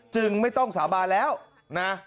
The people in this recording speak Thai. จึงไม่ต้องสาบานแล้วนะ